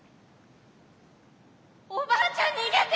おばあちゃん逃げて！